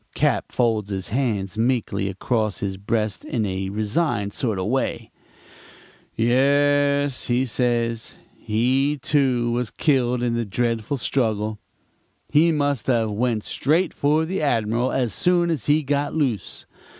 "Cap. folds his hands meekly across his breast in a resigned sort of way. "'Yes,' says he; 'he, too, was killed in the dreadful struggle. He must have went straight for the Admiral as soon as he got loose.